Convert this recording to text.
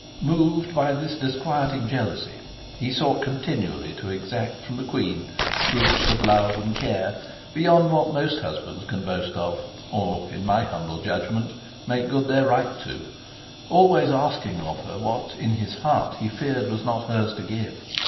Moved by this disquieting jealousy, he sought continually to exact from the queen proofs of love and care beyond what most husbands can boast of, or, in my humble judgment, make good their right to, always asking of her what in his heart he feared was not hers to give.